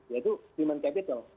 yaitu human capital